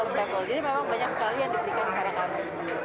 jadi memang banyak sekali yang diberikan kepada kami